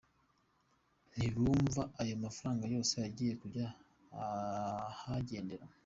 Ntibumva ayo mafaranga yose agiye kujya ahagendera.